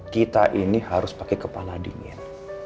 kita ini harus pakai kepala dingin